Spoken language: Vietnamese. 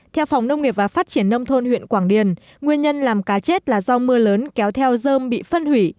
theo phòng nông nghiệp và phát triển nông thôn huyện quảng điền nguyên nhân làm cá chết là do mưa lớn kéo theo dơm bị phân hủy